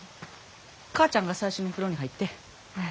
母ちゃんが最初に風呂に入って。